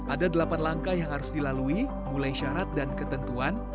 ada delapan langkah yang harus dilalui mulai syarat dan ketentuan